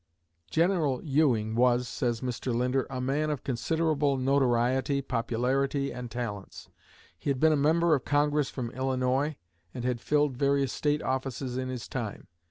"General Ewing was," says Mr. Linder, "a man of considerable notoriety, popularity, and talents. He had been a member of Congress from Illinois, and had filled various State offices in his time.